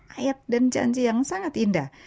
ayat dan janji yang sangat indah